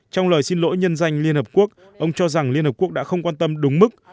trong lời xin lỗi nhân danh liên hợp quốc ông cho rằng liên hợp quốc đã không quan tâm đúng mức